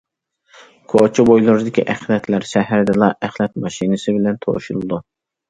كوچا بويلىرىدىكى ئەخلەتلەر سەھەردىلا ئەخلەت ماشىنىسى بىلەن توشۇلىدۇ.